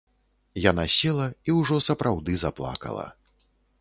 Яна села і ўжо сапраўды заплакала.